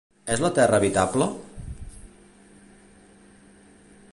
És la Terra habitable?